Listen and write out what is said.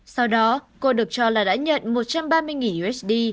sau đó cô được cho là đã nhận một trăm ba mươi usd